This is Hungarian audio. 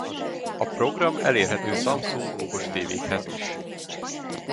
A program elérhető Samsung okostévékhez is.